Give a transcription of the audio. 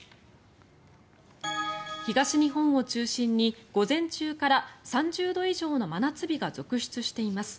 東日本を中心に午前中から３０度以上の真夏日が続出しています。